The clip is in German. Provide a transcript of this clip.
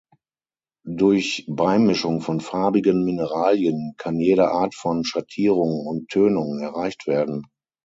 Durch Beimischung von farbigen Mineralien kann jede Art von Schattierung und Tönung erreicht werden.